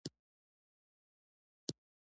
بادي انرژي د افغانستان د طبیعي زیرمو برخه ده.